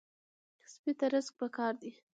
سپي ته رزق پکار دی.